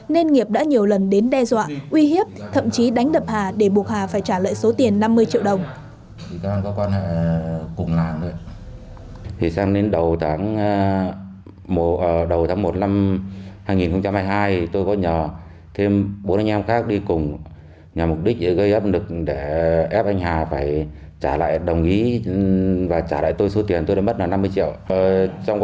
nên nghiệp đã nhiều lần đến đe dọa uy hiếp thậm chí đánh đập hà để buộc hà phải trả lợi số tiền năm mươi triệu đồng